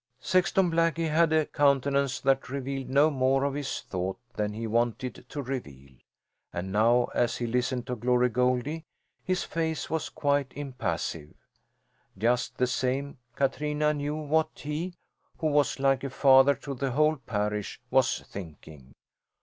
Sexton Blackie had a countenance that revealed no more of his thought than he wanted to reveal. And now, as he listened to Glory Goldie, his face was quite impassive. Just the same Katrina knew what he, who was like a father to the whole parish, was thinking.